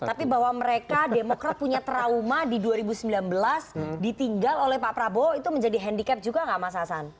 tapi bahwa mereka demokrat punya trauma di dua ribu sembilan belas ditinggal oleh pak prabowo itu menjadi handicap juga gak mas hasan